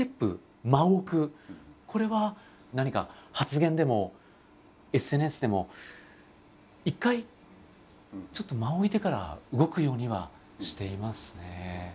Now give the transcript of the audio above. これは何か発言でもＳＮＳでも一回ちょっと間を置いてから動くようにはしていますね。